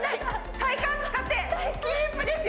体幹使って、キープですよ。